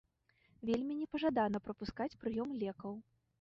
Вельмі непажадана прапускаць прыём лекаў.